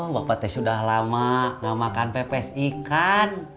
bapak teh sudah lama gak makan pepes ikan